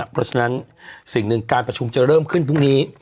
เพราะฉะนั้นสิ่งหนึ่งการประชุมจะเริ่มขึ้นพรุ่งนี้